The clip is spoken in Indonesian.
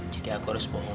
jadi aku harus bohong lagi